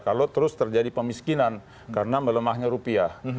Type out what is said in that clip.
kalau terus terjadi pemiskinan karena melemahnya rupiah